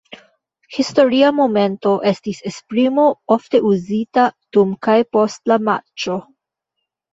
"Historia momento" estis esprimo ofte uzita dum kaj post la matĉo.